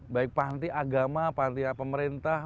baik panti agama panti pemerintah